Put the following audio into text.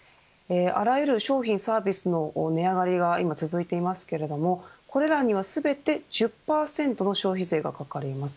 あらゆる商品、サービスの値上がりが今、続いていますけれどもこれらには全て１０％の消費税がかかります。